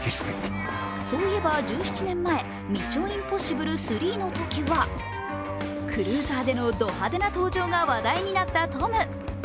そういえば１７年前、「ミッション：インポッシブル３」のときはクルーザーでのド派手な登場が話題になったトム。